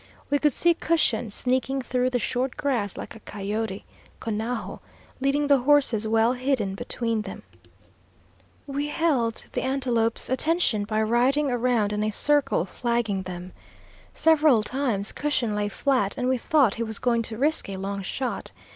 We could see Cushion sneaking through the short grass like a coyote, "Conajo" leading the horses, well hidden between them. We held the antelopes' attention by riding around in a circle, flagging them. Several times Cushion lay flat, and we thought he was going to risk a long shot.